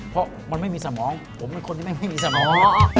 เพราะมันไม่มีสมองผมเป็นคนที่ไม่มีสมอง